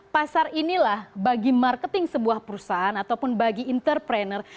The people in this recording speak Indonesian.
pasar inilah bagi marketing sebuah perusahaan ataupun bagi entrepreneur